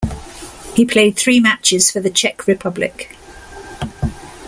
He played three matches for the Czech Republic.